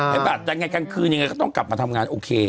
ปฏิบัติยังไงกลางคืนยังไงก็ต้องกลับมาทำงานโอเค